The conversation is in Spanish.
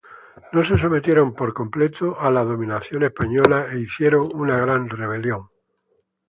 No se sometieron por completo a la dominación española e hicieron una gran rebelión.